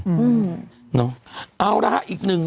อื้อเอาแล้วอีกหนึ่ง